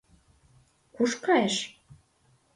Куш кайыш?